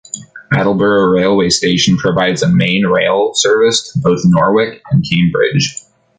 Attleborough railway station provides a main line rail service to both Norwich and Cambridge.